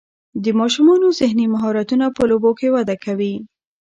د ماشومانو ذهني مهارتونه په لوبو کې وده کوي.